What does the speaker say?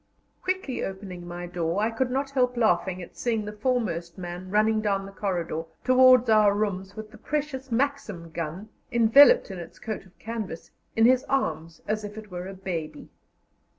Quickly opening my door, I could not help laughing at seeing the foremost man running down the corridor towards our rooms with the precious Maxim gun, enveloped in its coat of canvas, in his arms as if it were a baby.